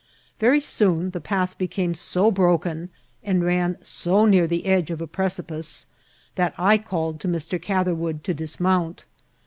Very soon the path became so broken, and ran so near the edge of a precipice, that I called to Mr. Catherwood to dismount.